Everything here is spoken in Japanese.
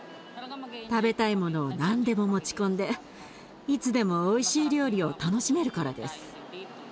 食べたいものを何でも持ち込んでいつでもおいしい料理を楽しめるからです。